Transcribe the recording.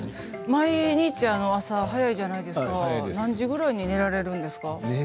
毎日朝早いじゃないですか何時ぐらいに寝られるんですかね。